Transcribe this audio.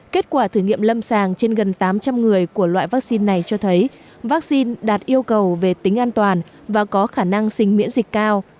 kết quả thử nghiệm lâm sàng trên gần tám trăm linh người của loại vaccine này cho thấy vaccine đạt yêu cầu về tính an toàn và có khả năng sinh miễn dịch cao